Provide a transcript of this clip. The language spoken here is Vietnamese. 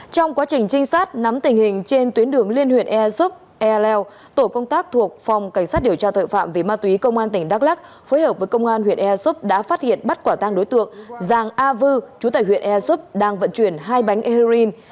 trong quá trình trinh sát nắm tình hình trên tuyến đường liên huyện ea dúc e leo tổ công tác thuộc phòng cảnh sát điều tra tội phạm về ma túy công an tỉnh đắk lắc phối hợp với công an huyện ea súp đã phát hiện bắt quả tang đối tượng giàng a vư chú tại huyện ea súp đang vận chuyển hai bánh heroin